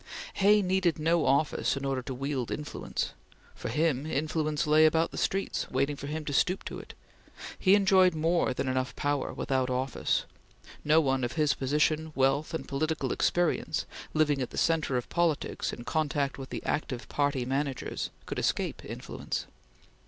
Hay needed no office in order to wield influence. For him, influence lay about the streets, waiting for him to stoop to it; he enjoyed more than enough power without office; no one of his position, wealth, and political experience, living at the centre of politics in contact with the active party managers, could escape influence.